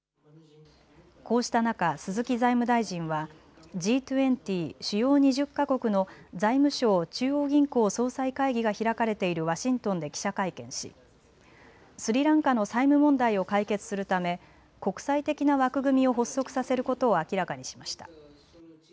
こうした中、鈴木財務大臣はＧ２０・主要２０か国の財務相・中央銀行総裁会議が開かれているワシントンで記者会見しスリランカの債務問題を解決するため国際的な枠組みを発足させることを明らかにしました。